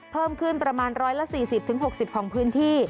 เพิ่มขึ้นประมาณ๑๔๐๖๐ของพื้นที่